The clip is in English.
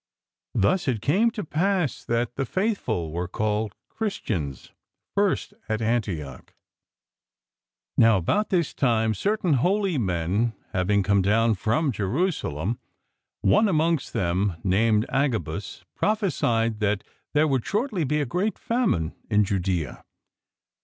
Thus it came to pass that " the faithful were called Christians first at Antioch." " JESUS IS THE CHRIST " 33 Now about this time certain holy men having come down from Jerusalem, one amongst them named Agabus prophesied that there would shortly be a great famine in Judea.